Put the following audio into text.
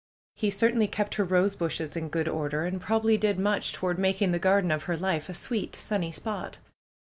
He certainly kept her rose bushes in good order, and probably did much toward making the garden of her life a sweet, sunny spot.